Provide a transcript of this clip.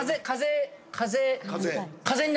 風風